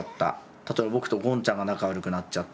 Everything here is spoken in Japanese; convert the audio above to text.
例えば僕とゴンちゃんが仲悪くなっちゃった。